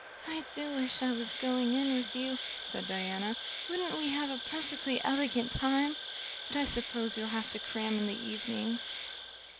"I do wish I was going in with you," said Diana. "Wouldn't we have a perfectly elegant time? But I suppose you'll have to cram in the evenings."